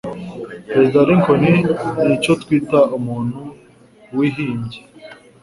Perezida Lincoln nicyo twita umuntu wihimbye.